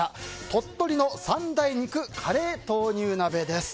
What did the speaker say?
鳥取の三大肉カレー豆乳鍋です。